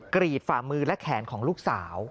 กรีดฝ่ามือและแขนของลูกสาว